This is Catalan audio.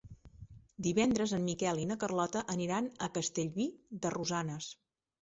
Divendres en Miquel i na Carlota aniran a Castellví de Rosanes.